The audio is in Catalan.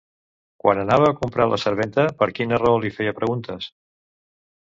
Quan anava a comprar la serventa, per quina raó li feia preguntes?